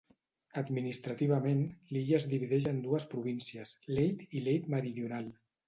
Administrativament, l'illa es divideix en dues províncies, Leyte i Leyte Meridional.